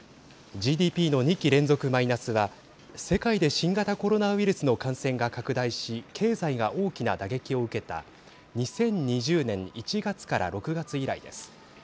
ＧＤＰの２期連続マイナスは世界で新型コロナウイルスの感染が拡大し経済が大きな打撃を受けた２０２０年１月から６月以来です。